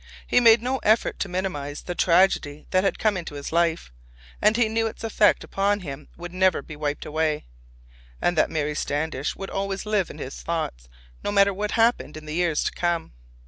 He made no effort to minimize the tragedy that had come into his life, and he knew its effect upon him would never be wiped away, and that Mary Standish would always live in his thoughts, no matter what happened in the years to come.